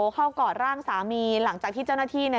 กอดร่างสามีหลังจากที่เจ้าหน้าที่เนี่ย